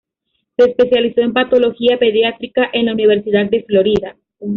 Se especializó en Patología pediátrica en la Universidad de Florida.